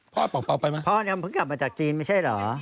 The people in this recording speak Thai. พ่อนางเพิ่งกลับมาจากจีนไม่ใช่เหรอ